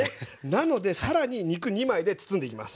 なので更に肉２枚で包んでいきます。